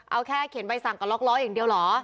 เอาแค่เขียนใบสั่งกับล็อกล้ออย่างเดียวเหรอ